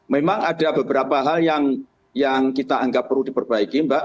memang ada beberapa hal yang kita anggap perlu diperbaiki mbak